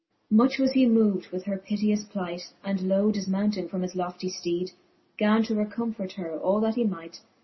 XXII. Much was he moved with her piteous plight^, And low difmounting from his loftie Iteede, Gan to recomfort her all that he might.